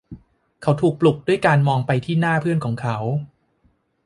เขาถูกปลุกด้วยการมองไปที่หน้าเพื่อนของเขา